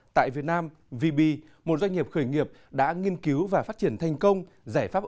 tại việt nam vb một doanh nghiệp khởi nghiệp đã nghiên cứu và phát triển thành công